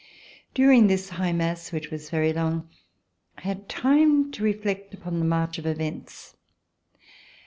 During this high mass, which was very long, I had time to reflect upon the march of events.